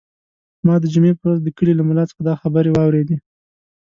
ما د جمعې په ورځ د کلي له ملا څخه دا خبرې واورېدې.